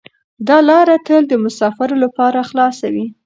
دا لاره تل د مسافرو لپاره خلاصه وي.